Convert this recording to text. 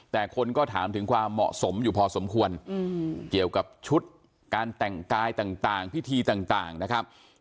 แต่คนก็ถามถึงความเหมาะสมอยู่พอสมควรเกี่ยวกับชุดการแต่งกายต่างพิธีต่างนะครับ